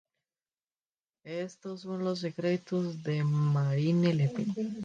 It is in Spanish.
Estos son los secretos de Marine Le Pen".